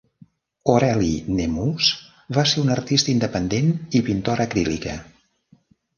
Aurelie Nemours va ser una artista independent i pintora acrílica.